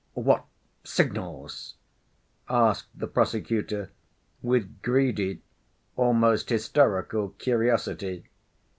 What signals?" asked the prosecutor, with greedy, almost hysterical, curiosity.